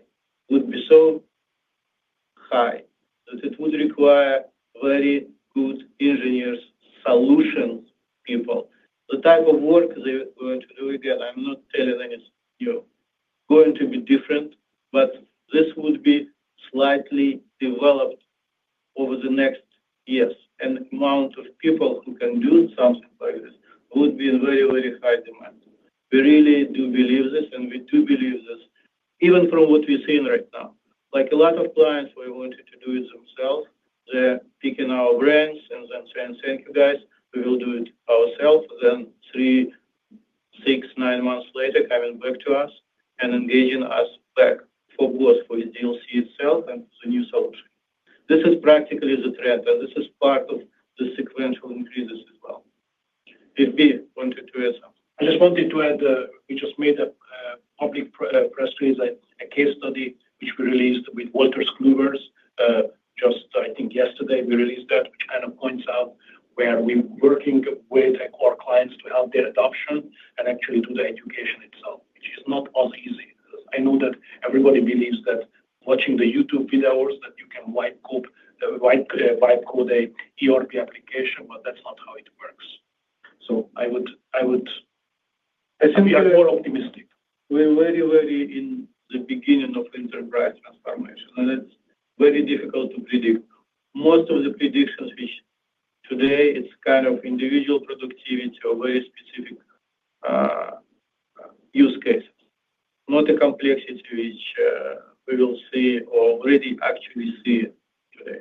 would be so high that it would require very good engineers, solution people. The type of work they're going to do, again, I'm not telling any of you, is going to be different, but this would be slightly developed over the next years. The amount of people who can do something like this would be in very, very high demand. We really do believe this, and we do believe this, even from what we're seeing right now. Like a lot of clients who wanted to do it themselves, they're picking our brains and then saying, "Thank you guys, we will do it ourselves." Three, six, nine months later, coming back to us and engaging us back for us for the DLC itself and the new solution. This is practically the trend, and this is part of the sequential increases as well. FP, wanted to add something. I just wanted to add that we just made a public press release, like a case study, which we released with Walter Sliniburg. I think yesterday we released that. It kind of points out where we're working with our clients to help their adoption and actually do the education itself, which is not as easy as I know that everybody believes that watching the YouTube videos, that you can wipe code the ERP application, but that's not how it works. I think we are more optimistic. We're very, very in the beginning of enterprise transformation. It's very difficult to predict. Most of the predictions we have today, it's kind of individual productivity or very specific use cases, not the complexity which we will see or already actually see today.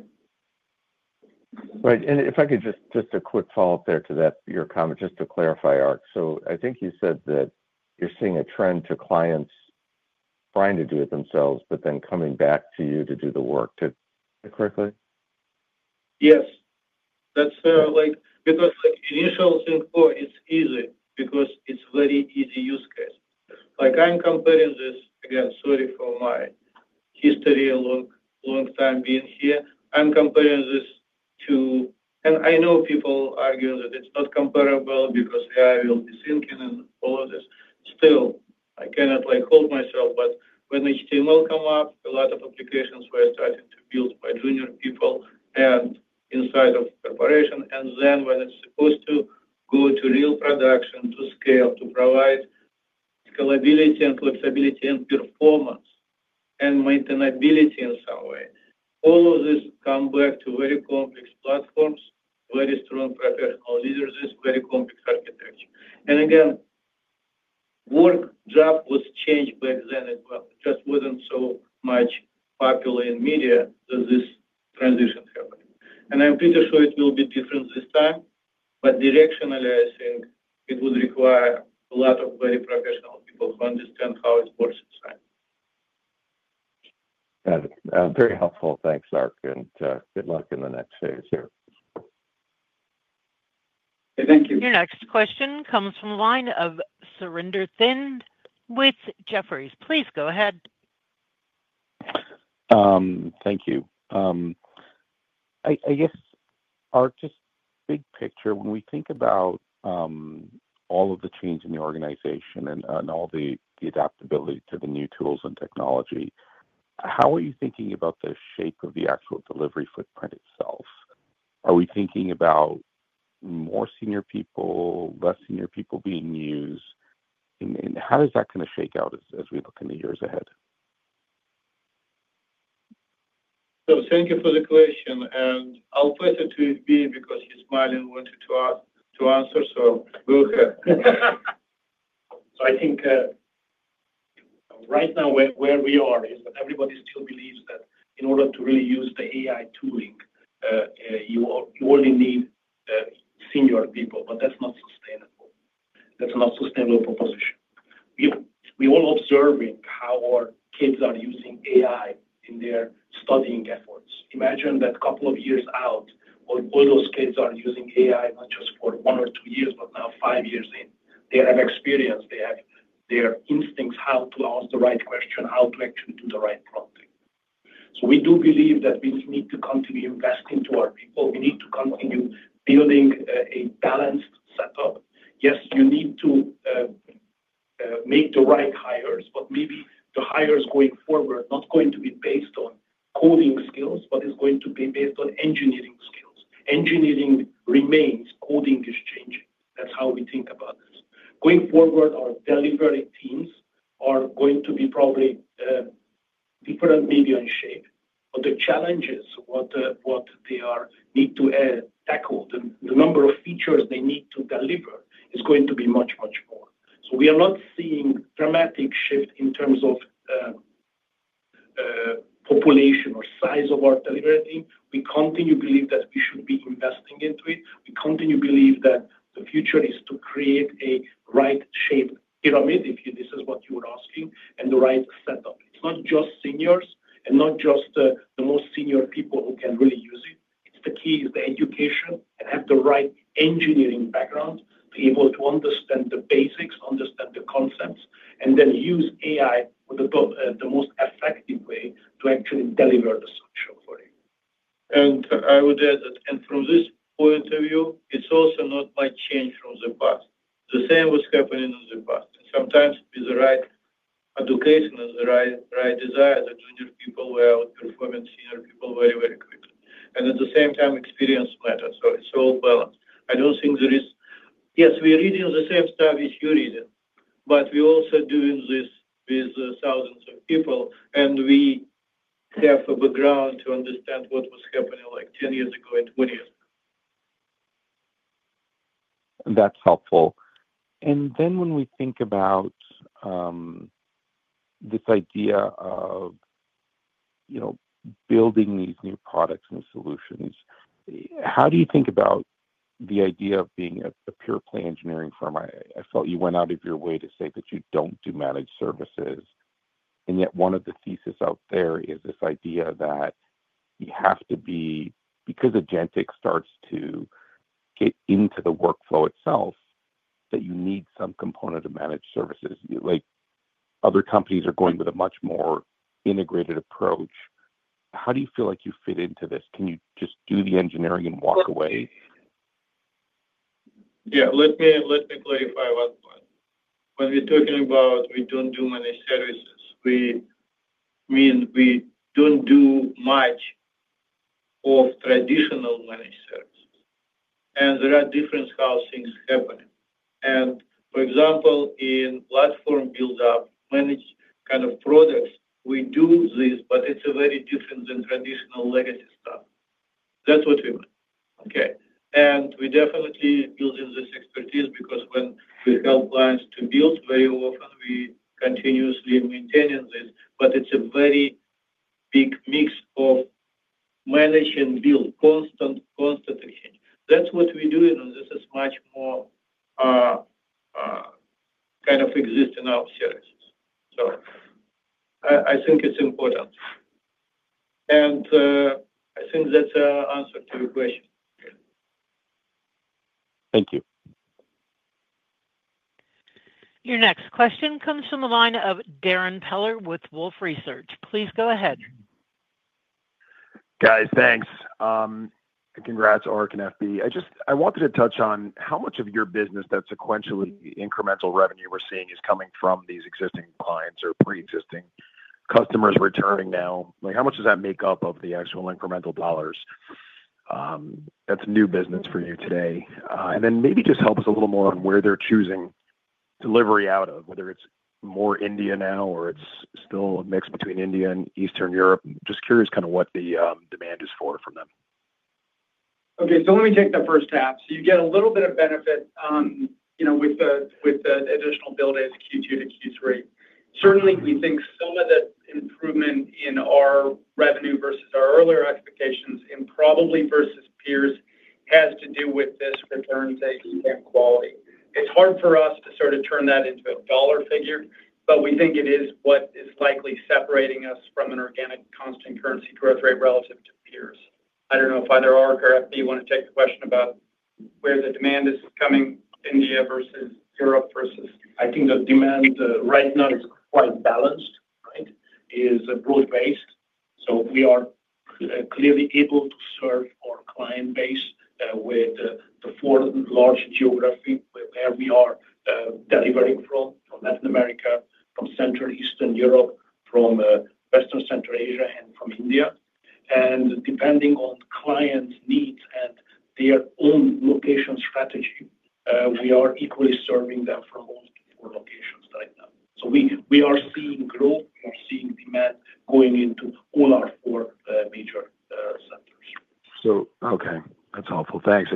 Right. If I could just, just a quick follow-up there to that, your comment, just to clarify, Ark. I think you said that you're seeing a trend to clients trying to do it themselves, but then coming back to you to do the work. Is that correct? Yes, that's like because initial think, oh, it's easy because it's a very easy use case. I'm comparing this, again, sorry for my history a long, long time being here. I'm comparing this to, and I know people argue that it's not comparable because AI will be sinking and all of this. Still, I cannot hold myself, but when HTML came up, a lot of applications were starting to build by junior people and inside of corporations. When it's supposed to go to real production to scale, to provide scalability and flexibility and performance and maintainability in some way, all of this comes back to very complex platforms, very strong professional leaders, this very complex architecture. Work job was changed back then as well. It just wasn't so much popular in media that this transition happened. I'm pretty sure it will be different this time, but directionally, I think it would require a lot of very professional people who understand how it works inside. Got it. Very helpful. Thanks, Arkadiy, and good luck in the next phase here. Thank you. Your next question comes from the line of Surinder Thind with Jefferies. Please go ahead. Thank you. I guess, Ark, just big picture, when we think about all of the change in the organization and all the adaptability to the new tools and technology, how are you thinking about the shape of the actual delivery footprint itself? Are we thinking about more senior people, less senior people being used? How does that kind of shake out as we look in the years ahead? Thank you for the question. I'll pass it to FB because he's smiling and wanted to answer, so go ahead. I think right now where we are is everybody still believes that in order to really use the AI tooling, you only need senior people, but that's not sustainable. That's not a sustainable proposition. We're all observing how our kids are using AI in their studying efforts. Imagine that a couple of years out, all those kids are using AI not just for one or two years, but now five years. They have experience. They have their instincts how to ask the right question, how to actually do the right prompting. We do believe that we need to continue investing into our people. We need to continue building a balanced setup. Yes, you need to make the right hires, but maybe the hires going forward are not going to be based on coding skills, but it's going to be based on engineering skills. Engineering remains. Coding is changing. That's how we think about it. Going forward, our delivery teams are going to be probably different maybe in shape, but the challenges, what they need to tackle, the number of features they need to deliver is going to be much, much more. We are not seeing a dramatic shift in terms of population or size of our delivery. We continue to believe that we should be investing into it. We continue to believe that the future is to create a right-shaped pyramid, if this is what you were asking, and the right setup. It's not just seniors and not just the most senior people who can really use it. The key is the education and have the right engineering background to be able to understand the basics, understand the concepts, and then use AI in the most effective way to actually deliver the solution for you. I would add that from this point of view, it's also not like change from the past. The same was happening in the past. Sometimes with the right education and the right desire, the junior people were outperforming senior people very, very quickly. At the same time, experience matters. It's all balanced. I don't think there is, yes, we're reading the same stuff as you're reading, but we're also doing this with thousands of people, and we have a background to understand what was happening like 10 years ago and 20 years ago. That's helpful. When we think about this idea of building these new products, new solutions, how do you think about the idea of being a pure play engineering firm? I felt you went out of your way to say that you don't do managed services. Yet one of the theses out there is this idea that you have to be, because agentic starts to get into the workflow itself, that you need some component of managed services. Other companies are going with a much more integrated approach. How do you feel like you fit into this? Can you just do the engineering and walk away? Yeah, let me clarify what's done. When we're talking about we don't do managed services, it means we don't do much of traditional managed services. There are differences in how things happen. For example, in platform buildup, managed kind of products, we do this, but it's very different than traditional legacy stuff. That's what we meant. Okay. We definitely build in this expertise because when we help clients to build, very often we're continuously maintaining this, but it's a very big mix of managing build, constant constant exchange. That's what we're doing, and this is much more kind of existing in our services. I think it's important. I think that's an answer to your question. Thank you. Your next question comes from the line of Darrin Peller with Wolfe Research. Please go ahead. Thanks. Congrats, Arkadiy, and Balazs. I wanted to touch on how much of your business that sequentially the incremental revenue we're seeing is coming from these existing clients or pre-existing customers returning now. How much does that make up of the actual incremental dollars that's new business for you today? Maybe just help us a little more on where they're choosing delivery out of, whether it's more India now or it's still a mix between India and Europe. Just curious what the demand is for from them. Okay, let me take the first half. You get a little bit of benefit with the additional build days of Q2 to Q3. Certainly, we think some of the improvement in our revenue versus our earlier expectations and probably versus peers has to do with this returns and quality. It's hard for us to sort of turn that into a dollar figure, but we think it is what is likely separating us from an organic constant currency growth rate relative to peers. I don't know if either Arkadiy or FB want to take the question about where the demand is coming, India versus Europe. I think the demand right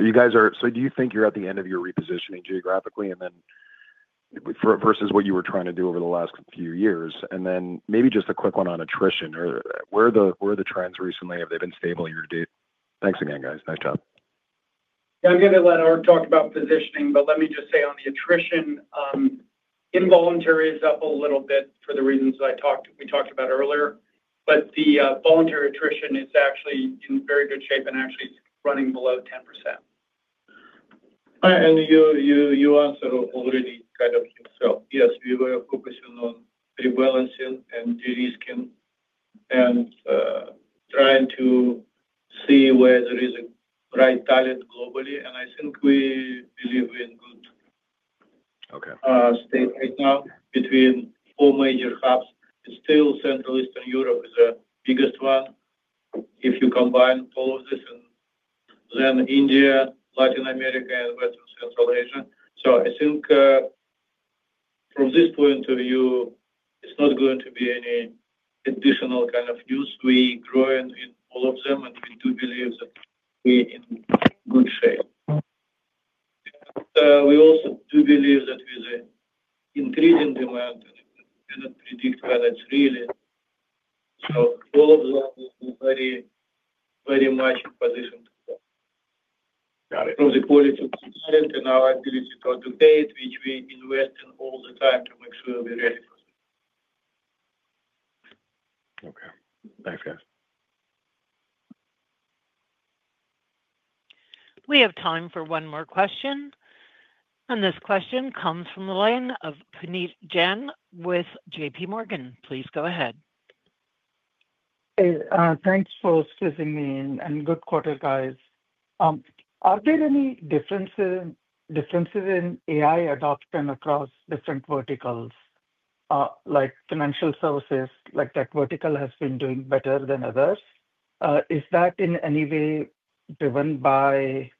now is quite balanced. It is broad-based. We are clearly able to serve our client base with the four large geographies where we are delivering from: Latin America, Central Asia, Europe, and India. Depending on clients' needs and their own location strategy, we are equally serving them from all four locations right now. We are seeing growth and demand going into all our four major centers. That's helpful, thanks. Do you think you're at the end of your repositioning geographically versus what you were trying to do over the last few years? Maybe just a quick one on attrition. Where are the trends recently? Have they been stable in your data? Thanks again, guys. Nice job. Yeah, I'm going to let Arkadiy talk about positioning, but let me just say on the attrition, involuntary is up a little bit for the reasons that I talked about earlier. The voluntary attrition is actually in very good shape and actually running below 10%. You answered already kind of yourself. Yes, we were focusing on rebalancing and risking and trying to see where there is a right talent globally. I think we believe in good state right now between four major hubs. Still, Central Eastern Europe is the biggest one. If you combine all of this, and then India, Latin America, and Western Central Asia. I think from this point of view, it's not going to be any additional kind of news. We're growing in all of them, and we do believe that we're in good shape. We also do believe that with the increasing demand, we cannot predict when it's really. All of them are very, very much in position. Got it. From the quality of the talent and our analytical data, which we invest in all the time to make sure we're ready for. Okay, thanks, guys. We have time for one more question. This question comes from the line of Puneet Jain with JP Morgan. Please go ahead. Thanks for excusing me, and good quarter, guys. Are there any differences in AI adoption across different verticals? Like financial services, like that vertical has been doing better than others. Is that in any way driven by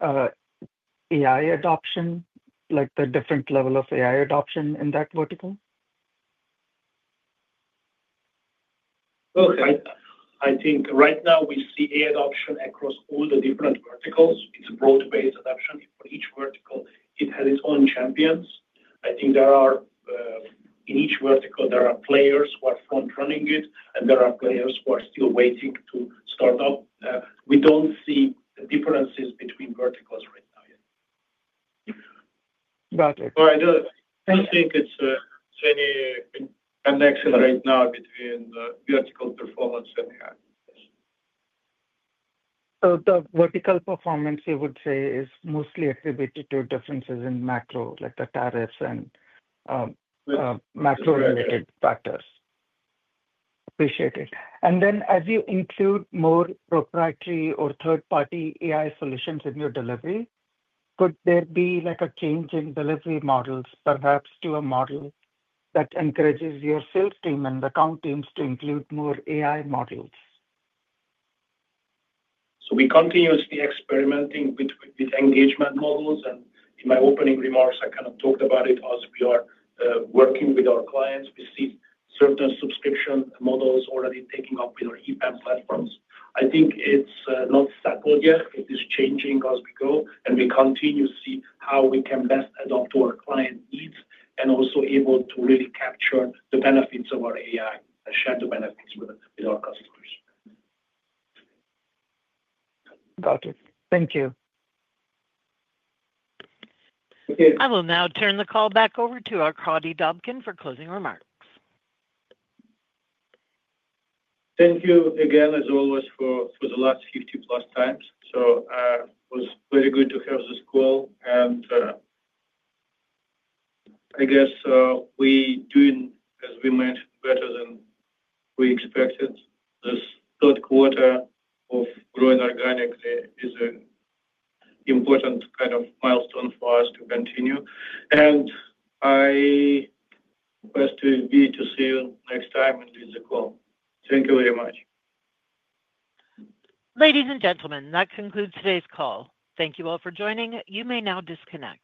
AI adoption, like the different level of AI adoption in that vertical? Okay. I think right now we see AI adoption across all the different verticals. It's a broad-based adoption. For each vertical, it has its own champions. I think there are, in each vertical, players who are front-running it, and there are players who are still waiting to start up. We don't see differences. I don't think it's any connection right now between vertical performance and AI. Vertical performance, I would say, is mostly attributed to differences in macro, like the tariffs and macro-related factors. Appreciate it. As you include more proprietary or third-party AI solutions in your delivery, could there be a change in delivery models, perhaps to a model that encourages your sales team and account teams to include more AI models? We're continuously experimenting with engagement models, and in my opening remarks, I talked about it as we are working with our clients. We see certain subscription models already taking up with our EPAM platforms. I think it's not settled yet. It is changing as we go, and we continue to see how we can best adapt to our client needs and also be able to really capture the benefits of our AI and share the benefits. Got it. Thank you. I will now turn the call back over to Arkadiy Dobkin for closing remarks. Thank you again, as always, for the last 50 plus times. It was very good to have this call. I guess we're doing, as we mentioned, better than we expected. This third quarter of growing organically is an important kind of milestone for us to continue. I'm blessed to see you next time and leave the call. Thank you very much. Ladies and gentlemen, that concludes today's call. Thank you all for joining. You may now disconnect.